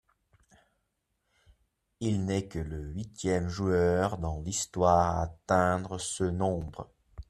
Il n'est que le huitième joueur dans l'histoire à atteindre ce nombre.